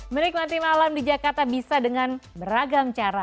menikmati malam di jakarta bisa dengan beragam cara